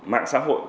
mạng xã hội